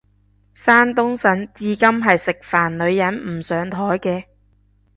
山東省至今係食飯女人唔上枱嘅